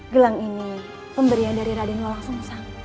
gelang ini pemberian dari raden